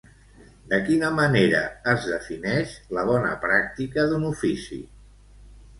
De quina manera es defineix la bona pràctica d'un ofici?